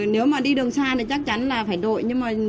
nếu mà đi đường xa thì chắc chắn là phải đội